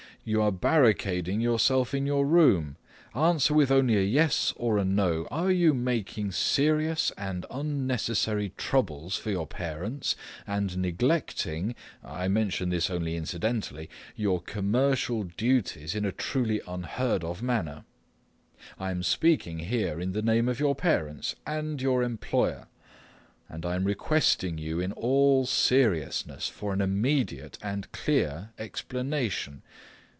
You are barricading yourself in your room, answer with only a yes and a no, are making serious and unnecessary troubles for your parents, and neglecting (I mention this only incidentally) your commercial duties in a truly unheard of manner. I am speaking here in the name of your parents and your employer, and I am requesting you in all seriousness for an immediate and clear explanation.